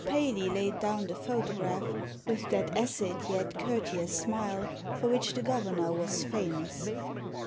Paley laid down the photograph with that acid yet courteous smile for which the governor was famous.